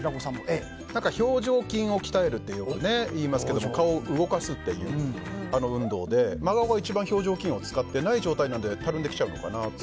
表情筋を鍛えるといいますけど顔を動かすっていう運動で真顔が一番、表情筋を使ってない状態なのでたるんできちゃうのかなって。